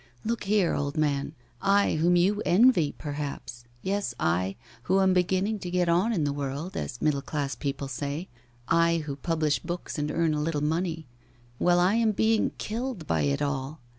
'Look here, old man, I, whom you envy, perhaps yes, I, who am beginning to get on in the world, as middle class people say I, who publish books and earn a little money well, I am being killed by it all.